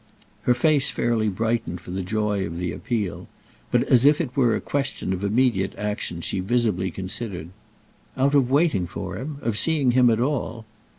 Her face fairly brightened for the joy of the appeal, but, as if it were a question of immediate action, she visibly considered. "Out of waiting for him?—of seeing him at all?"